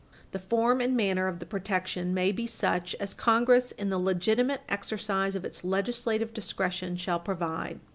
The form and manner of the protection may be such as Congress, in the legitimate exercise of its legislative discretion, shall provide.